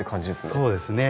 そうですね。